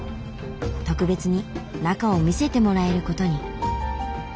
特別に中を見せてもらえることに。